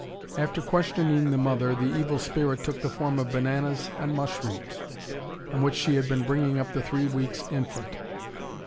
After questioning the mother the "evil spirit" took the form of bananas and mushrooms, on which she had been bringing up the three weeks' infant!